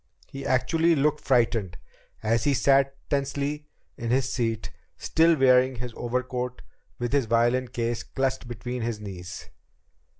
He actually looked frightened as he sat tensely in his seat, still wearing his overcoat and with his violin case clutched between his knees.